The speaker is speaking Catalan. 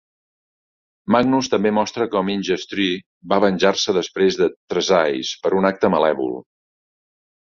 Magnus també mostra com Ingestree va venjar-se després de Tresize per un acte malèvol.